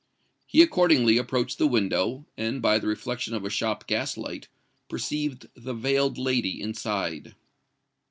He accordingly approached the window, and by the reflection of a shop gas light, perceived the veiled lady inside.